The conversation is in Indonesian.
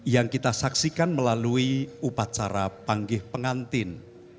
yang kita saksikan melalui upacara panggih pengantin